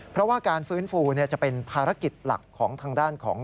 เพราะว่าการฟื้นฟูจะเป็นภารกิจหลักของทางด้านของ